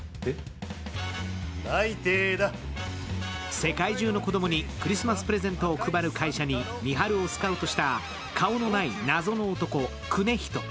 世界中の子供にクリスマスプレゼントを配る会社に三春をスカウトした顔のない謎の男、クネヒト。